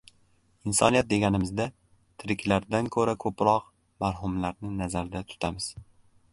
Insoniyat deganimizda, tiriklardan ko‘ra ko‘proq marhumlarni nazarda tutamiz.